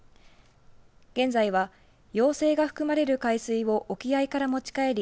現在は、幼生が含まれる海水を沖合から持ち帰り